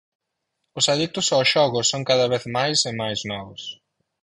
Os adictos ao xogo son cada vez máis e máis novos.